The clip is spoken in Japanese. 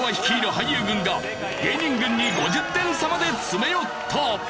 俳優軍が芸人軍に５０点差まで詰め寄った！